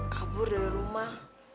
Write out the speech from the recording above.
kabur dari rumah